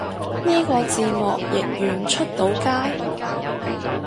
呢個字幕譯完出到街？